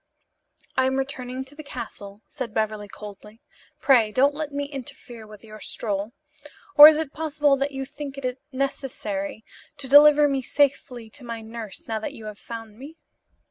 "I am returning to the castle," said Beverly coldly, "Pray don't let me interfere with your stroll. Or is it possible that you think it necessary to deliver me safely to my nurse, now that you have found me?"